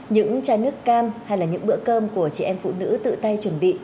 những chai nước cam hay là những bữa cơm của chị em phụ nữ tự tay chuẩn bị